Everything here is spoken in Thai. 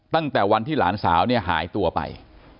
ตั้งแต่วันที่หลานสาวเนี่ยหายตัวไป